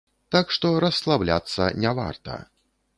Так што расслабляцца не варта.